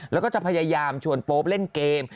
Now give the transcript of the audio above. แล้วก็จะพยายามชวนโป๊ปเล่นเกม